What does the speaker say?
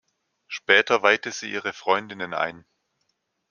Später weihte sie ihre Freundinnen ein.